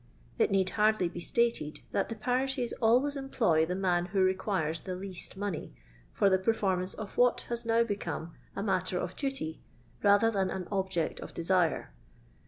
It need hardly be staU'd that the parishes always employ the man who requires the least money for the performance of what has now become a matter of duty rather than an object of desire.